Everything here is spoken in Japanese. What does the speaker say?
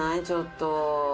ちょっと。